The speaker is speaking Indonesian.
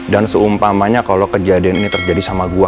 dan seumpamanya kalau kejadian ini terjadi sama gue